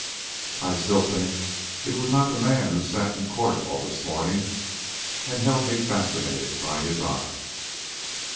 "I still think it was not the man who sat in court all the morning and held me fascinated by his eye."